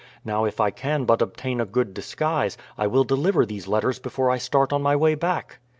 Now, if I can but obtain a good disguise I will deliver these letters before I start on my way back."